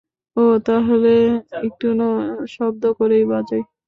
ওহ, তাহলে একটু শব্দ করেই বাজাই।